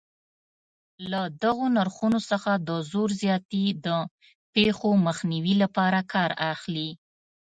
له دغو نرخونو څخه د زور زیاتي د پېښو مخنیوي لپاره کار اخلي.